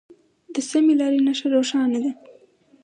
د سمې لارې نښه روښانه ده.